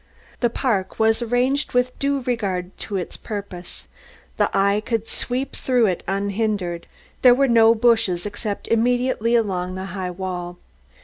The park was arranged with due regard to its purpose. The eye could sweep through it unhindered. There were no bushes except immediately along the high wall.